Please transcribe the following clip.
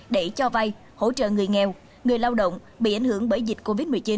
để cho vay hỗ trợ người nghèo người lao động bị ảnh hưởng bởi dịch covid một mươi chín